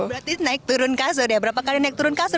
berarti naik turun kasur ya berapa kali naik turun kasur